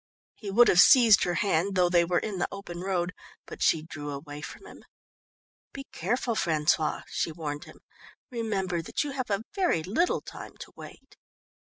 He would have seized her hand, though they were in the open road, but she drew away from him. "Be careful, François," she warned him. "Remember that you have a very little time to wait."